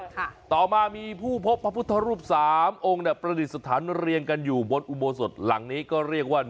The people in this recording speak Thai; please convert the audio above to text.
ต่อมามีผู้พบพระพุทธรูปสามองค์เนี่ยประดิษฐานเรียงกันอยู่บนอุโบสถหลังนี้ก็เรียกว่า